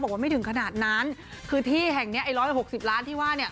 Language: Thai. บอกว่าไม่ถึงขนาดนั้นคือที่แห่งเนี้ยไอ้๑๖๐ล้านที่ว่าเนี่ย